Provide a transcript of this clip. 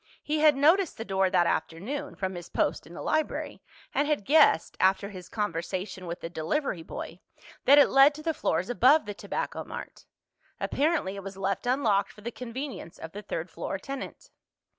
He had noticed the door that afternoon, from his post in the library, and had guessed—after his conversation with the delivery boy—that it led to the floors above the Tobacco Mart. Apparently it was left unlocked for the convenience of the third floor tenant.